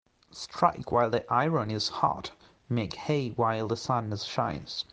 Strike while the iron is hot Make hay while the sun shines.